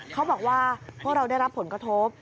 เขาบอกว่าพวกเราได้รับผลกระทบ